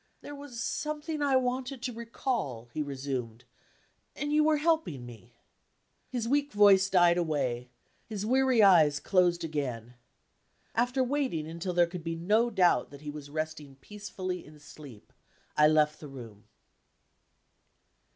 "There was something I wanted to recall " he resumed, "and you were helping me." His weak voice died away; his weary eyes closed again. After waiting until there could be no doubt that he was resting peacefully in sleep, I left the room.